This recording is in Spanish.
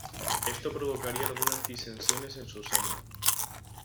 Esto provocaría algunas disensiones en su seno.